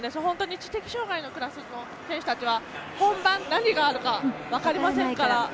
知的障がいのクラスの選手たちは本番何があるか分かりませんから。